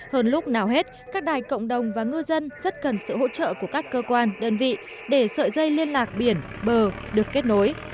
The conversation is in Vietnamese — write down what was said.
hơn lúc nào hết các đại cộng đồng và ngư dân rất cần sự hỗ trợ của các cơ quan đơn vị để sợi dây liên lạc biển bờ được kết nối